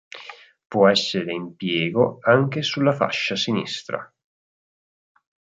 Può essere impiego anche sulla fascia sinistra.